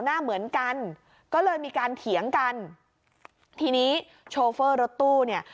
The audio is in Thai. หน้าเหมือนกันก็เลยมีการเถียงกันทีนี้โชเฟอร์รถตู้เนี่ย